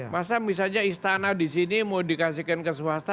masa misalnya istana di sini mau dikasihkan ke swasta